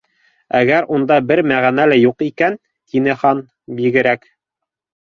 —Әгәр унда бер мәғәнә лә юҡ икән, —тине Хан, —бигерәк